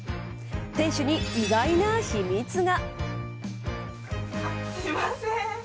店主に意外な秘密が。